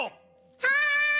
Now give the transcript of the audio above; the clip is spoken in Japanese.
はい！